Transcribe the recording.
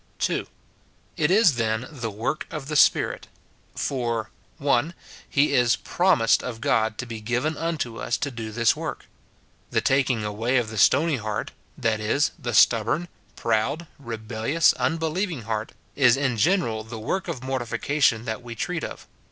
2. It is, then, the work of the Spirit. For, — (1.) He is promised of God to be given unto us to do this work. The taking awa}' of the stony heart, — that is, the stubborn, proud, rebellious, unbelieving heart, — is in general the work of mortification that we treat of.